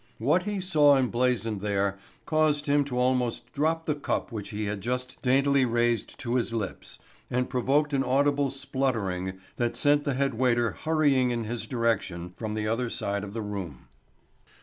What he saw emblazoned there caused him to almost drop the cup which he had just daintily raised to his lips and provoked an audible spluttering that sent the head waiter hurrying in his direction from the other side of the room.